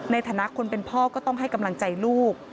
ในฐานะคนเป็นพ่อก็ต้องให้กำลังใจลูก